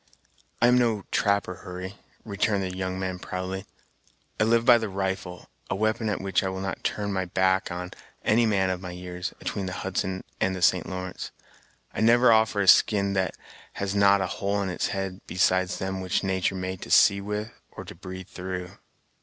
"I am no trapper, Hurry," returned the young man proudly: "I live by the rifle, a we'pon at which I will not turn my back on any man of my years, atween the Hudson and the St. Lawrence. I never offer a skin that has not a hole in its head besides them which natur' made to see with or to breathe through."